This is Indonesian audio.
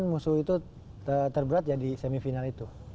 dan musuh itu terberat ya di semifinal itu